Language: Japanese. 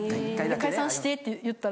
解散してって言ったら。